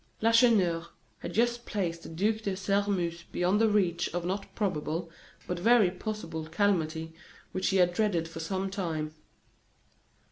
Lacheneur had just placed the Duc de Sairmeuse beyond the reach of a not probable, but very possible calamity which he had dreaded for some time.